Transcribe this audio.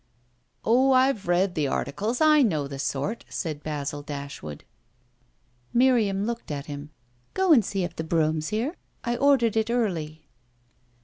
"Oh I've read the articles I know the sort!" said Basil Dashwood. Miriam looked at him. "Go and see if the brougham's there I ordered it early."